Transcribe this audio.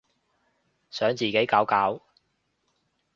想自己搞搞